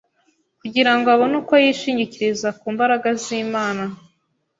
kugira ngo abone uko yishingikiriza ku mbaraga z’Imana.